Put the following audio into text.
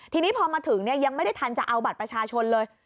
ทีนี้พอมาถึงยังไม่ได้ทันจะเอาบัตรประชาชนเลย